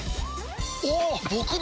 おっ！